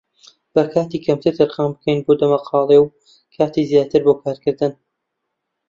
با کاتی کەمتر تەرخان بکەین بۆ دەمەقاڵێ و کاتی زیاتر بۆ کارکردن.